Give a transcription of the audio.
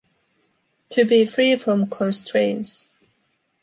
To be free from constrains.